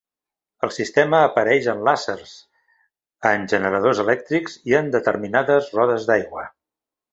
El sistema apareix en làsers, en generadors elèctrics i en determinades rodes d'aigua.